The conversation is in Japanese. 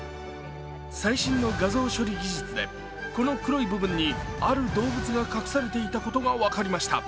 最新の画像処理技術でこの黒い部分にある動物が隠されていたことが分かりました。